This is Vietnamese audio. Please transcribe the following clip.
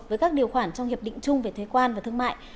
với các điều khoản trong hiệp định chung về thuế quan và thương mại